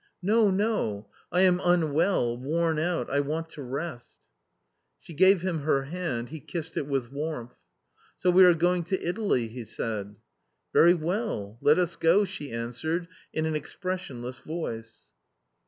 " No, no ! I am unwell, worn out I want to rest." She gave him her hand, he kissed it with warmth. " So we are going tn Ttalv ?" he said. " Very well ; let us go," she answered in an expressionless voice.